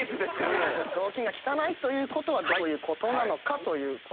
雑巾が汚いということはどういうことなのかを考えて。